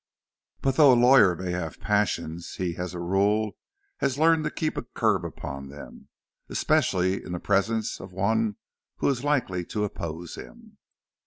But though a lawyer may have passions, he, as a rule, has learned to keep a curb upon them, especially in the presence of one who is likely to oppose him.